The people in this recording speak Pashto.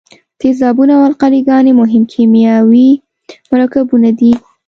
تیزابونه او القلي ګانې مهم کیمیاوي مرکبونه دي.